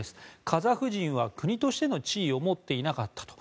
カザフ人は国としての地位を持っていなかったと。